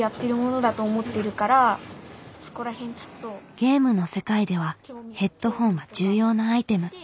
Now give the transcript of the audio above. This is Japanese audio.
ゲームの世界ではヘッドホンは重要なアイテム。